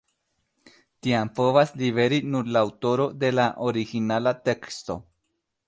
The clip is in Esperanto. Tian povas liveri nur la aŭtoro de la originala teksto.